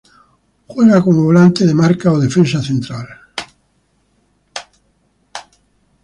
Juega como volante de marca o defensa central.